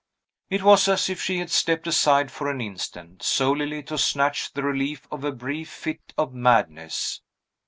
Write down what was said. It was as if she had stepped aside for an instant, solely to snatch the relief of a brief fit of madness.